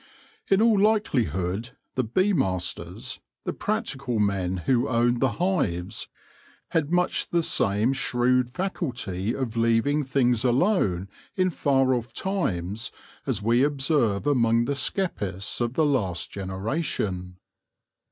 In all likelihood the bee masters, the practical men who owned the hives, had much the same shrewd faculty of leaving things alone in far off times as we observe among the skeppists of the last generation.